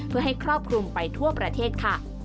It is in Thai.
เพื่อให้ครอบคลุมไปทั่วประเทศค่ะ